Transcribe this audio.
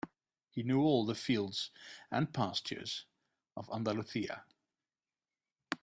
He knew all the fields and pastures of Andalusia.